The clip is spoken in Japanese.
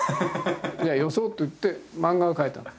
じゃあよそうといって漫画を描いた。